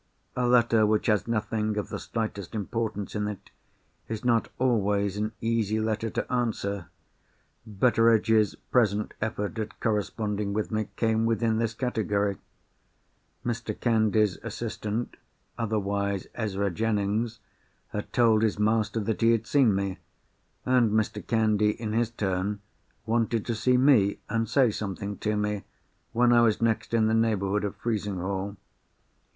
A letter which has nothing of the slightest importance in it, is not always an easy letter to answer. Betteredge's present effort at corresponding with me came within this category. Mr. Candy's assistant, otherwise Ezra Jennings, had told his master that he had seen me; and Mr. Candy, in his turn, wanted to see me and say something to me, when I was next in the neighbourhood of Frizinghall.